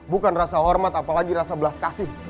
bukan rasa hormat apalagi rasa belas kasih